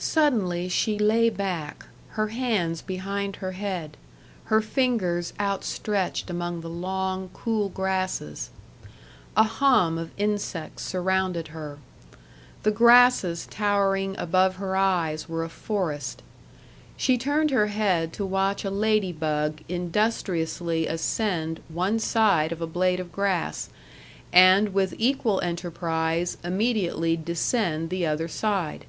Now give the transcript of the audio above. Suddenly she lay back, her hands behind her head, her fingers outstretched among the long, cool grasses. A hum of insects surrounded her. The grasses towering above her eyes were a forest. She turned her head to watch a lady bug industriously ascend one side of a blade of grass, and with equal enterprise immediately descend the other side.